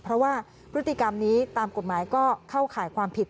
เพราะว่าพฤติกรรมนี้ตามกฎหมายก็เข้าข่ายความผิด